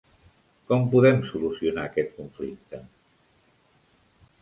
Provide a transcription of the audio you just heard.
Com podem solucionar aquest conflicte?